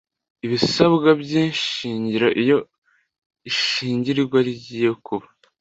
ibisabwa by ishingiro iyo ishyingirwa rigiye kuba